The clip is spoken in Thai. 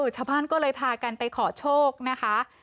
ชาวบ้านก็เลยพากันไปขอโชคนะคะ